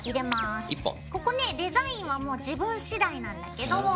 ここねデザインはもう自分次第なんだけど。